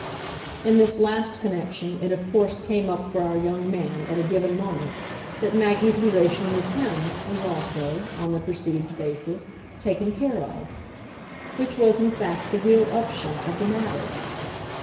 In this last connection it of course came up for our young man at a given moment that Maggie's relation with HIM was also, on the perceived basis, taken care of. Which was in fact the real upshot of the matter.